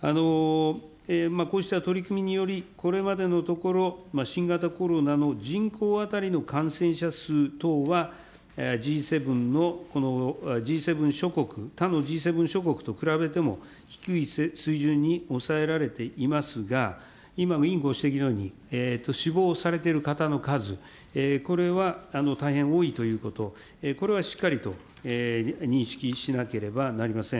こうした取り組みにより、これまでのところ新型コロナの人口当たりの感染者数等は、Ｇ７の、Ｇ７諸国、他のＧ７諸国と比べても、低い水準に抑えられていますが、今、委員ご指摘のように、死亡されている方の数、これは大変多いということ、これはしっかりと認識しなければなりません。